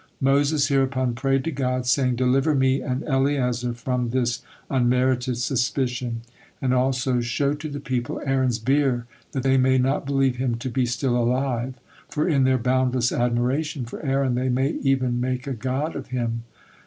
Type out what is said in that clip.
Moses hereupon prayed to God, saying: "Deliver me and Eleazar from this unmerited suspicion, and also show to the people Aaron's bier, that they may not believe him to be still alive, for in their boundless admiration for Aaron they may even make a God of him."